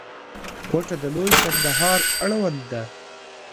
کوټه د لوی کندهار اړوند ده.